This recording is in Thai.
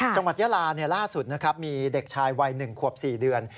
จังหวัดยาลาล่าสุดนะครับมีเด็กชายวัย๑ขวบ๔เดือน